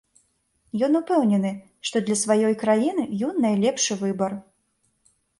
Ён упэўнены, што для сваёй краіны ён найлепшы выбар.